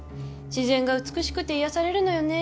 自然が美しくて癒やされるのよね。